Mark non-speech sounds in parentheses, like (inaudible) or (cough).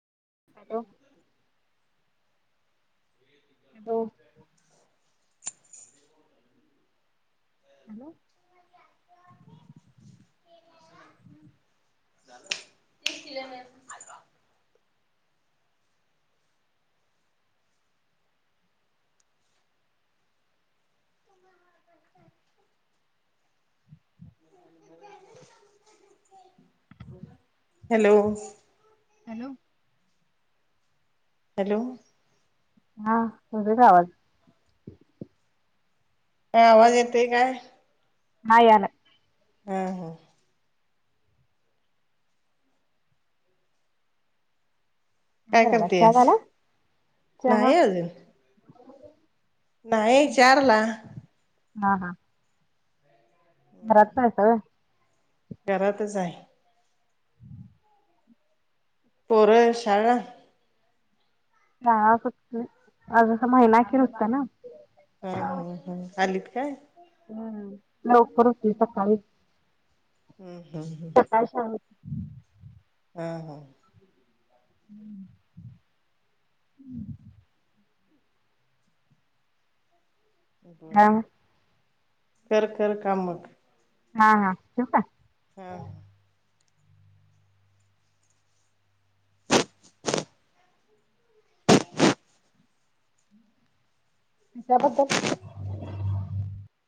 Hello! Hello! Hello! (inaudible) (inaudible) Hello! Hello! Hello हा, तुझच आवाज काय आवाज येतय काय? हा या ला. हम हम. काय करायला चहा करतेयास? झाला चहा नाही अजून. नाही चारला हा हा. घरात चालताय व्हय? घरातच आहे. पोरं, शाळा हा सुट्टी, आज असा महिना अखेर होता ना. हा हम हम, आलीत काय? हम्म लवकर उठली सकाळी. हम्म हम् हम्. (unintelligible) हम हम. (inaudible) बर, कर कर काम मग. हा हा, ठेऊ का? हम. त्यािच्याबद्दल